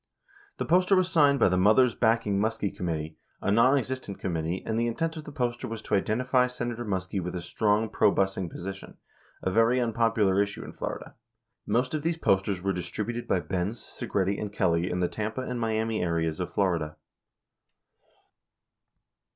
The poster was signed by the "Mothers Backing Muskie Committee," a nonexistent committee, and the intent of the poster was to identify Senator Muskie with a strong probusing position, a very unpopular issue in Florida. Most of these posters were distributed by Benz, Segretti, and Kelly in the Tampa and Miami areas of Florida.